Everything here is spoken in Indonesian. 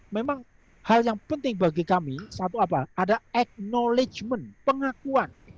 memang hal yang penting bagi kami satu apa ada acknowledgement pengakuan